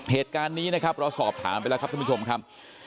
เหตุการณ์นี้เราก็สอบถามไปแล้วครับท่านผู้ชม